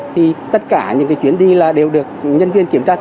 thì tất cả những chuyến đi là đều được nhân viên kiểm tra